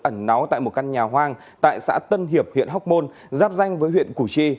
ẩn náu tại một căn nhà hoang tại xã tân hiệp huyện hóc môn giáp danh với huyện củ chi